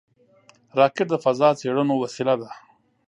راکټ د فضا څېړنو وسیله ده